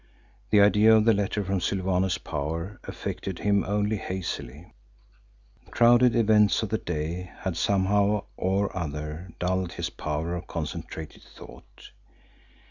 The idea of the letter from Sylvanus Power affected him only hazily. The crowded events of the day had somehow or other dulled his power of concentrated thought.